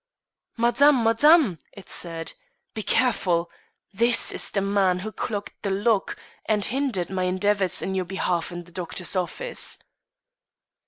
"Madame, Madame," it said; "be careful. This is the man who clogged the lock, and hindered my endeavors in your behalf in the doctor's office."